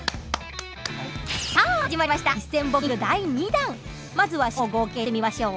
さあ始まりました「実践！